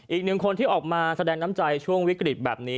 อีกหนึ่งคนที่ออกมาแสดงน้ำใจช่วงวิกฤตแบบนี้